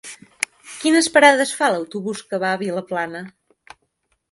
Quines parades fa l'autobús que va a Vilaplana?